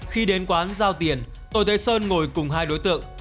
khi đến quán giao tiền tôi thấy sơn ngồi cùng hai đối tượng